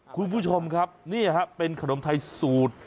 คุณผู้ชมครับนี่ฮะเป็นขนมไทยสูตร